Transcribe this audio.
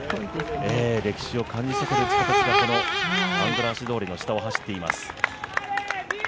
歴史を感じさせる地下鉄がアンドラーシ通りの地下を走っています。